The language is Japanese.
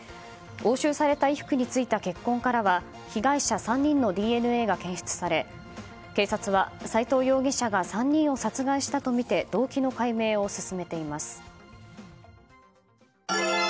押収された衣服についた血痕からは、被害者３人のＤＮＡが検出され警察は斎藤容疑者が３人を殺害したとみて動機の解明を進めています。